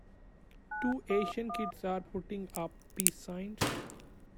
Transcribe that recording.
Two Asian kids are putting up peace signs